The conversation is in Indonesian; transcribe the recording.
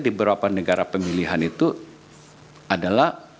di beberapa negara pemilihan itu adalah